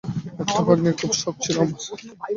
একটা ভাগ্নির খুব শখ ছিল আমার।